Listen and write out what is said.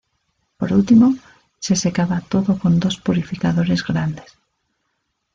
Por último, se secaba todo con dos purificadores grandes.